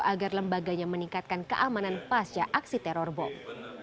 agar lembaganya meningkatkan keamanan pasca aksi teror bom